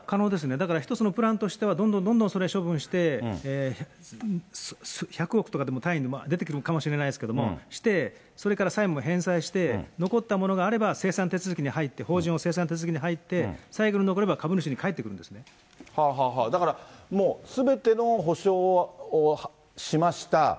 だから一つのプランとしては、どんどんどんどんそれは処分して、１００億とかでも単位で出てくるのかもしれないですけど、それから債務を返済して残ったものがあれば、清算手続きに入って、法人の清算手続きに入って、最後に残れば株主に返ってくるんですすべての補償をしました、